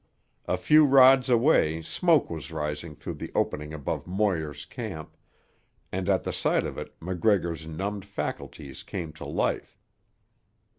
A few rods away smoke was rising through the opening above Moir's camp, and at the sight of it MacGregor's numbed faculties came to life.